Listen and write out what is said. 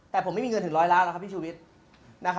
แต่ผมไม่มีเงินถึง๑๐๐ล้านแล้วครับพี่ชูวิทย์